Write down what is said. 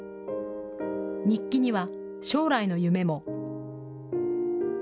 日記には将来の夢も。